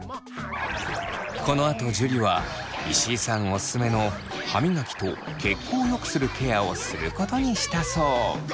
このあと樹は石井さんおすすめの歯みがきと血行を良くするケアをすることにしたそう。